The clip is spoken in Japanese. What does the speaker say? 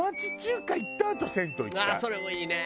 ああそれもいいね！